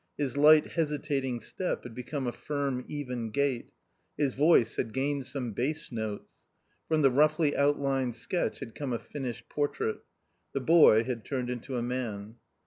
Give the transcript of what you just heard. His light hesitating step had become a firm even gait. His voice had gained some bass notes. From the roughly outlined sketch had come a finished portrait. The boy had turned into a man.